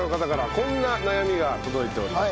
こんな悩みが届いております。